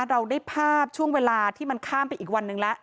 เราได้ภาพช่วงเวลาที่มันข้ามไปอีกวันหนึ่งแล้ว